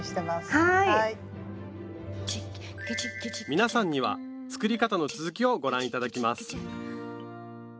皆さんには作り方の続きをご覧頂きます